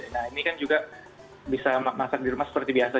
nah ini kan juga bisa masak di rumah seperti biasa